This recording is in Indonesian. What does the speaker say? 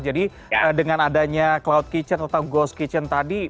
jadi dengan adanya cloud kitchen atau ghost kitchen tadi